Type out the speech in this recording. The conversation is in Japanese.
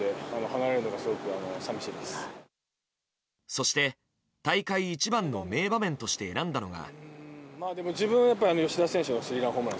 そして大会一番の名場面として選んだのが。